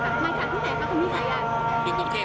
ตอนนี้เป็นครั้งหนึ่งครั้งหนึ่ง